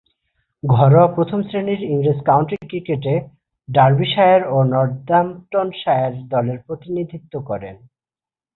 ঘরোয়া প্রথম-শ্রেণীর ইংরেজ কাউন্টি ক্রিকেটে ডার্বিশায়ার ও নর্দাম্পটনশায়ার দলের প্রতিনিধিত্ব করেন।